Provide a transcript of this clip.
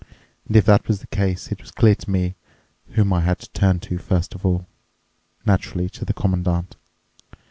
And if that was the case, it was clear to me whom I had to turn to first of all—naturally, to the Commandant.